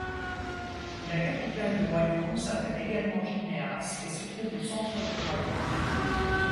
La capitale du royaume s'appelle également Gilnéas et se trouve au centre du royaume.